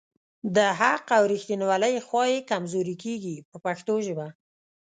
د حق او ریښتیولۍ خوا یې کمزورې کیږي په پښتو ژبه.